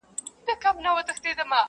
یو موږک را څه په سپینو سترګو وړی,